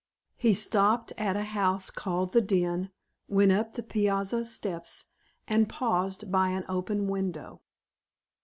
He stopped at a house called The Den, went up the piazza steps, and paused by an open window.